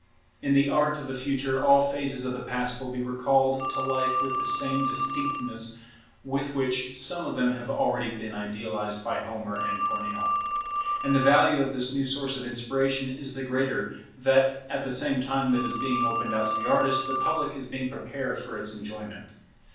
In the Art of the Future all phases of the Past will be recalled to life with the same distinctness with which some of them have been already idealized by Homer and Corneille. And the value of this new source of inspiration is the greater that, at the same time that it is being opened out to the artist, the public is being prepared for its enjoyment.